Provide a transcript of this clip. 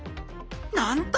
なんと！